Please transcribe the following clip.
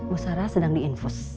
busara sedang diinfus